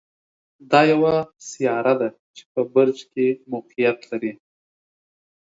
دا یوه سیاره ده چې په برج کې موقعیت لري.